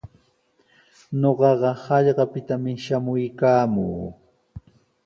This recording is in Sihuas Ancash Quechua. Ñuqaqa hallqapitami shamuykaamuu.